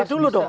nanti dulu dong